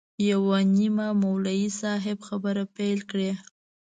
یو نیمه مولوي صاحب خبرې پیل کړې.